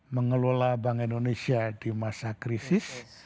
mengelola bank indonesia di masa krisis